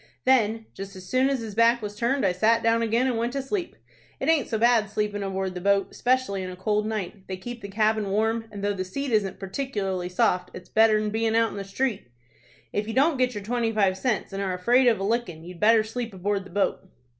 Then, just as soon as his back was turned, I sat down again and went to sleep. It aint so bad sleepin' aboard the boat, 'specially in a cold night. They keep the cabin warm, and though the seat isn't partic'larly soft its better'n bein' out in the street. If you don't get your twenty five cents, and are afraid of a lickin', you'd better sleep aboard the boat."